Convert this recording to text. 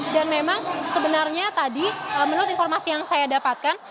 dan memang sebenarnya tadi menurut informasi yang saya dapatkan